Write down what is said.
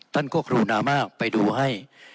ท่านก็คุณามากไปดูให้